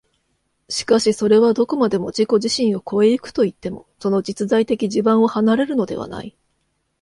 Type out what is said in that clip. しかしそれはどこまでも自己自身を越え行くといっても、その実在的地盤を離れるのではない。